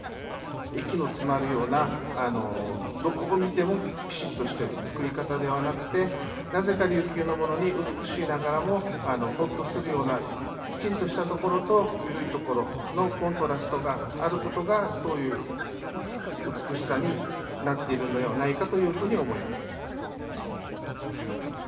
息の詰まるようなどこを見てもピシッとしてるつくり方ではなくてなぜか琉球のものに美しいながらもほっとするようなきちんとしたところと緩いところのコントラストがあることがそういう美しさになってるのではないかというふうに思います。